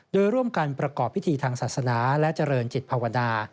โดยร่วมกันประกอบพิธีทางศาสนาและเจริญจิตภาวนา